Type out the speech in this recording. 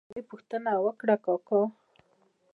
ور نه مې پوښتنه وکړه: کاکا!